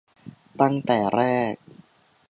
ตั้งแต่แรก